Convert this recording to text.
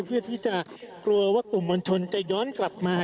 เพื่อที่จะกลัวว่ากลุ่มมวลชนจะย้อนกลับมา